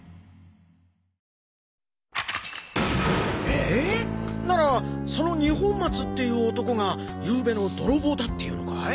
ええっ？ならその二本松っていう男がゆうべの泥棒だって言うのかい？